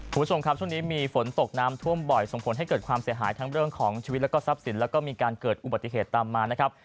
คุณผู้ชมครับช่วงนี้มีฝนตกน้ำท่วมบ่อยส่งผลให้เกิดความเสียหายทั้งเรื่องของชีวิตแล้วก็ทรัพย์สินแล้วก็มีการเกิดอุบัติเหตุตามมานะครับ